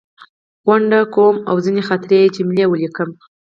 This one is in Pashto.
غونډ، قوم او ځینې خاطرې یې جملې ولیکم.